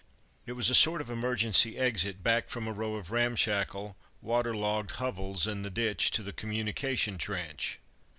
It was a sort of emergency exit back from a row of ramshackle, water logged hovels in the ditch to the communication trench.